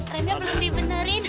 remnya belum dibenerin